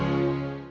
sampai jumpa lagi